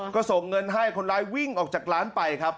ก็ส่งเงินให้คนร้ายวิ่งออกจากร้านไปครับ